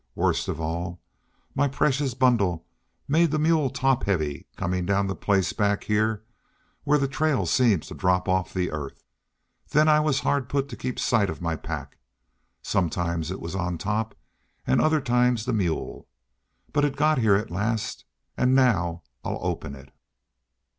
Worst of all, my precious bundle made the mule top heavy comin' down that place back here where the trail seems to drop off the earth. There I was hard put to keep sight of my pack. Sometimes it was on top an' other times the mule. But it got here at last.... An' now I'll open it."